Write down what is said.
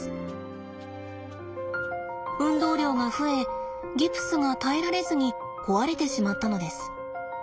運動量が増えギプスが耐えられずに壊れてしまったのです。